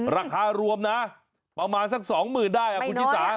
ราคารวมนะประมาณสักสองหมื่นได้คุณชิสา